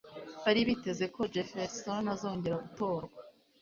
Bari biteze ko Jefferson azongera gutorwa